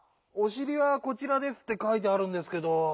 「オシリはこちらです」ってかいてあるんですけど。